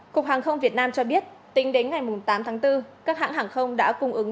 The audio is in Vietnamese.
cục hàng không việt nam cho biết tính đến ngày tám tháng bốn các hãng hàng không đã cung ứng